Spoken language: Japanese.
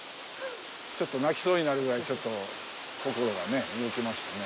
ちょっと泣きそうになるぐらい心が動きましたね。